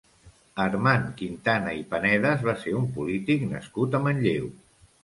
Armand Quintana i Panedas va ser un polític nascut a Manlleu.